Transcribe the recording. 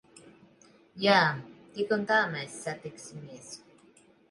Jā. Tik un tā mēs satiksimies.